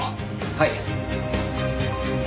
はい。